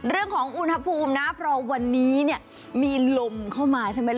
เรื่องของอุณหภูมินะเพราะวันนี้เนี่ยมีลมเข้ามาใช่ไหมล่ะ